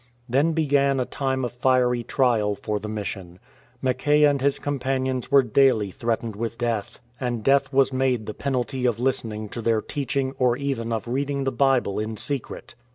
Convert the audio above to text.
Then began a time of fiery trial for the mission. Mackay and his companions were daily threatened with death, and death was made the penalty of listening to their teaching or even of reading the Bible in secret.